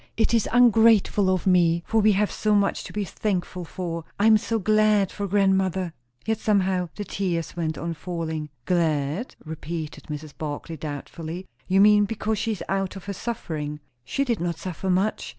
"It is ungrateful of me; for we have so much to be thankful for. I am so glad for grandmother!" Yet somehow the tears went on falling. "Glad?" repeated Mrs. Barclay doubtfully. "You mean, because she is out of her suffering." "She did not suffer much.